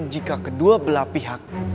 jika kedua belah pihak